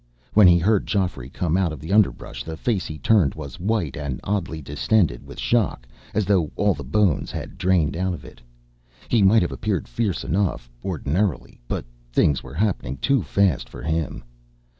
When he heard Geoffrey come out of the underbrush, the face he turned was white and oddly distended with shock, as though all the bones had drained out of it. He might have appeared fierce enough, ordinarily. But things were happening too fast for him.